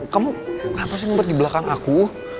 kamu kenapa sih nyempet di belakang aku